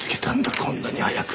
こんなに早く。